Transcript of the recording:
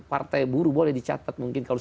partai buruh boleh dicatat mungkin kalau